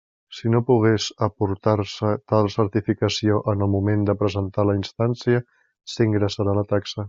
Si no pogués aportar-se tal certificació en el moment de presentar la instància, s'ingressarà la taxa.